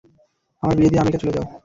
আমার বিয়ে দিয়ে আমেরিকা চলে যাও।